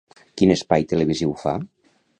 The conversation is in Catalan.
Quin espai televisiu fa?